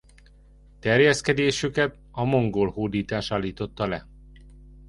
Terjeszkedésüket a mongol hódítás állította le.